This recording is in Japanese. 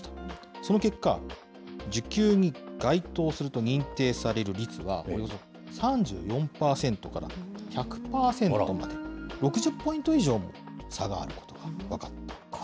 その結果、受給に該当すると認定される率は、およそ３４％から１００％まで、６０ポイント以上も差があることが分かっています。